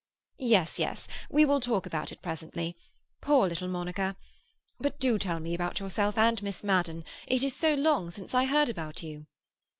"Yes, yes; we will talk about it presently. Poor little Monica! But do tell me about yourself and Miss Madden. It is so long since I heard about you."